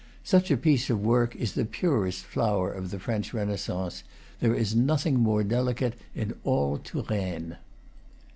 Such a piece of work is the purest flower of the French Renaissance; there is nothing more delicate in all Touraine.